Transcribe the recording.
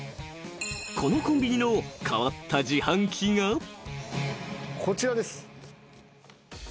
［このコンビニの変わった自販機が］あっ！